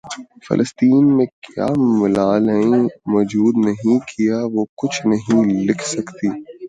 فلسطین میں کیا ملالائیں موجود نہیں کیا وہ کچھ نہیں لکھ سکتیں